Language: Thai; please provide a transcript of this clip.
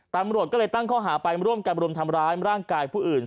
ตำรวจก็เลยตั้งข้อหาไปร่วมกันรุมทำร้ายร่างกายผู้อื่น